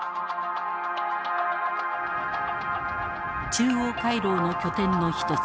中央回廊の拠点の一つ